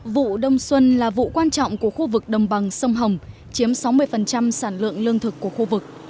vụ đông xuân là vụ quan trọng của khu vực đồng bằng sông hồng chiếm sáu mươi sản lượng lương thực của khu vực